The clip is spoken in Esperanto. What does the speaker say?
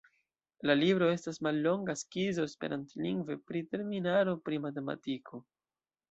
La libro estas mallonga skizo esperantlingve pri terminaro pri matematiko.